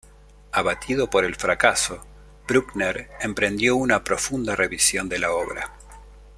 Abatido por el fracaso, Bruckner emprendió una profunda revisión de la obra.